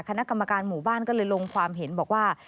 คณะกรรมการหมู่บ้านก็เลยลงความเห็นบอกว่า